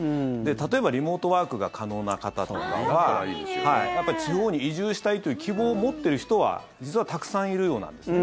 例えばリモートワークが可能な方とかは地方に移住したいという希望を持ってる人は実はたくさんいるようなんですね。